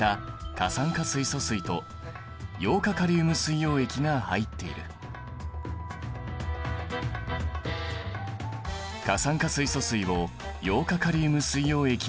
過酸化水素水をヨウ化カリウム水溶液に混ぜると。